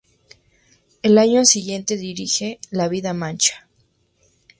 El año siguiente dirige "La vida mancha".